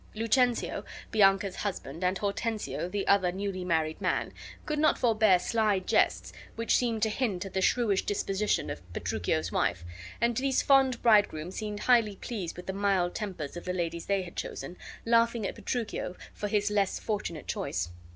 Lucentio, Bianca's husband, and Hortensio, the other new married man, could not forbear sly jests, which seemed to hint at the shrewish disposition of Petruchio's wife, and these fond bridegrooms seemed highly pleased with the mild tempers of the ladies they had chosen, laughing at Petruchio for his less fortunate choice.